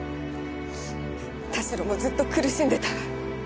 田代もずっと苦しんでた。